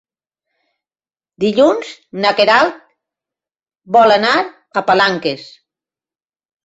Dilluns na Queralt vol anar a Palanques.